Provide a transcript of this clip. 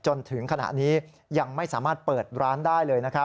จนถึงขณะนี้ยังไม่สามารถเปิดร้านได้เลยนะครับ